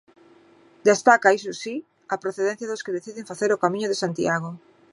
Destaca iso si, a procedencia dos que deciden facer o Camiño de Santiago.